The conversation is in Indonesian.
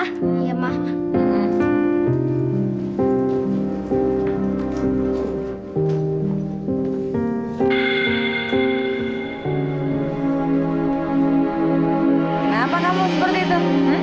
kenapa kamu seperti itu